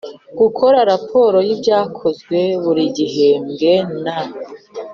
Gukora raporo y ibyakozwe buri gihembwe na